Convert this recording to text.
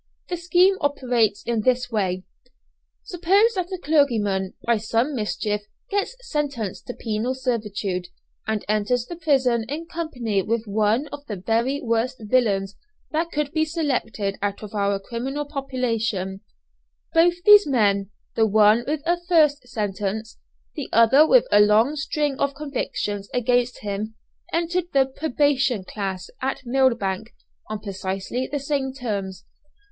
The scheme operates in this way suppose that a clergyman by some mischance gets sentenced to penal servitude, and enters the prison in company with one of the very worst villains that could be selected out of our criminal population; both these men, the one with a first sentence, the other with a long string of convictions against him, enter the "probation class" at Millbank, on precisely the same terms.